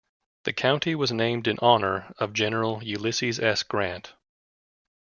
The county was named in honor of General Ulysses S. Grant.